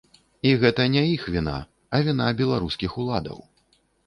І гэта не іх віна, а віна беларускіх уладаў.